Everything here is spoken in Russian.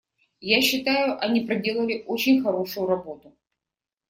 Я считаю, они проделали очень хорошую работу.